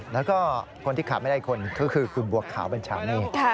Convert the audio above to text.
แล้วก็คนที่ขาไม่ได้คนคือคุณบวกขาวบรรชามี